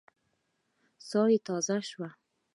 ساه يې تازه شوه.